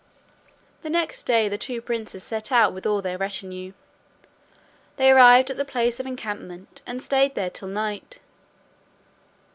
The next day the two princes set out with all their retinue; they arrived at the place of encampment, and stayed there till night.